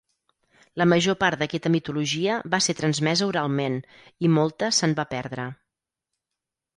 La major part d'aquesta mitologia va ser transmesa oralment, i molta se'n va perdre.